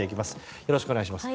よろしくお願いします。